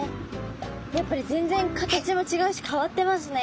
やっぱり全然形も違うし変わってますね。